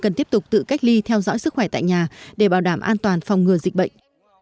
cần tiếp tục tự cách ly theo dõi sức khỏe tại nhà để bảo đảm an toàn phòng ngừa dịch bệnh